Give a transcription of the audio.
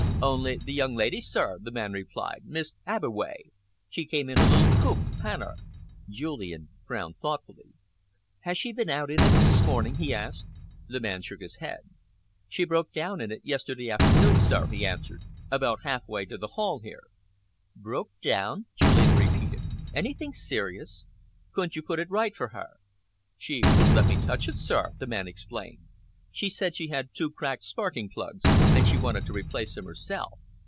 "Only the young lady, sir," the man replied, "Miss Abbeway. She came in a little coupe Panhard." Julian frowned thoughtfully. "Has she been out in it this morning?" he asked. The man shook his head. "She broke down in it yesterday afternoon, sir," he answered, "about halfway up to the Hall here." "Broke down?" Julian repeated. "Anything serious? Couldn't you put it right for her?" "She wouldn't let me touch it, sir," the man explained. "She said she had two cracked sparking plugs, and she wanted to replace them herself.